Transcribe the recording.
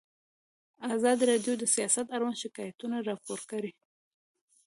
ازادي راډیو د سیاست اړوند شکایتونه راپور کړي.